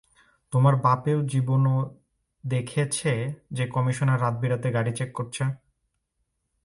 তোমার বাপেও জীবনও দেখেছে, যে কমিশনার রাত-বিরাতে গাড়ি চেক করছে?